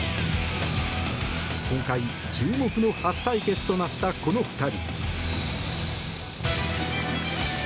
今回、注目の初対決となったこの２人。